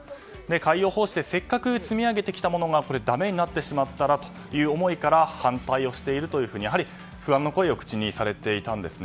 海洋放出でせっかく積み上げてきたものがだめになってしまったらということで反対をしていると、やはり不安の声を口にされていました。